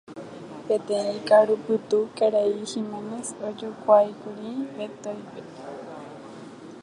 Peteĩ ka'arupytũ Karai Giménez ojokuáikuri Beto'ípe.